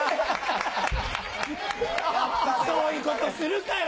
そういうことするから！